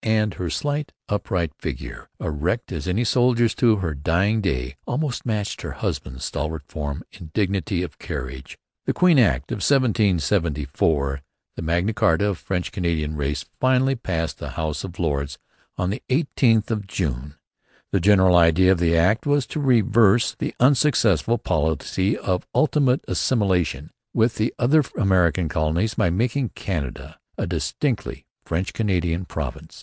And her slight, upright figure erect as any soldier's to her dying day almost matched her husband's stalwart form in dignity of carriage. The Quebec Act of 1774 the Magna Charta of the French Canadian race finally passed the House of Lords on the 18th of June. The general idea of the Act was to reverse the unsuccessful policy of ultimate assimilation with the other American colonies by making Canada a distinctly French Canadian province.